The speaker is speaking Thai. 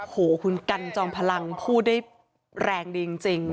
โอ้โหคุณกันจอมพลังพูดได้แรงดีจริง